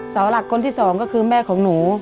สาวหลักคนที่สองก็คือแม่ของหนู